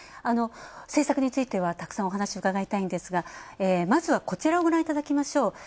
政策についてはたくさんお話伺いたいんですがまずは、こちらをご覧いただきましょう。